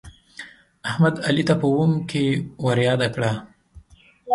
احمد، علي ته په اوم کې ورياده کړه.